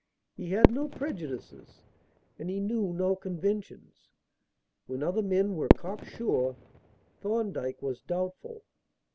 He had no prejudices and he knew no conventions. When other men were cocksure, Thorndyke was doubtful.